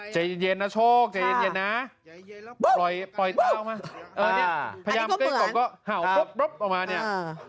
ใจเย็นนะโชคใจเย็นนะปล่อยตาออกมาพยายามกรี๊กกล่อมก็ห่าวปุ๊บปุ๊บออกมาเนี่ย